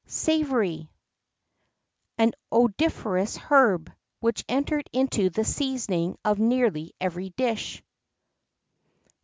SAVORY. An odoriferous herb, which entered into the seasoning of nearly every dish.